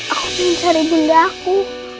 aku pengen cari bunda aku